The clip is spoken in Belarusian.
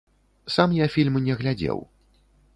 Сам я фільм не глядзеў.